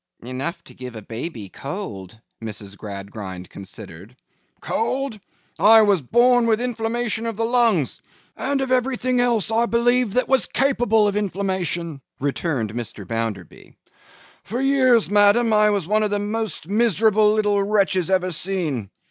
'Enough to give a baby cold,' Mrs. Gradgrind considered. 'Cold? I was born with inflammation of the lungs, and of everything else, I believe, that was capable of inflammation,' returned Mr. Bounderby. 'For years, ma'am, I was one of the most miserable little wretches ever seen.